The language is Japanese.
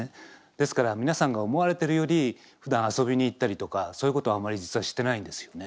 ですから皆さんが思われてるよりふだん遊びに行ったりとかそういうことはあまり実はしてないんですよね。